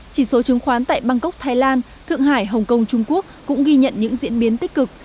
chỉ số chứng khoán tại bangkok thái lan thượng hải hồng kông trung quốc cũng ghi nhận những diễn biến tích cực